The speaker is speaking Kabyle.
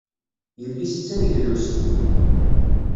Yelli-s d taneglust.